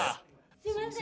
すみません！